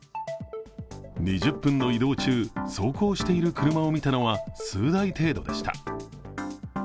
２０分の移動中、走行している車を見たのは数台程度でした。